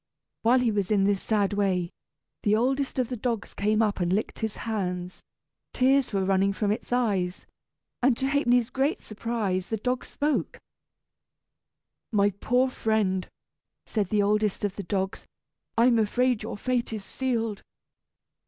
While he was in this sad way, the oldest of the dogs came up and licked his hands. Tears were running from its eyes, and to Ha'penny's great surprise the dog spoke. "My poor friend!" said the oldest of the dogs, "I am afraid your fate is sealed.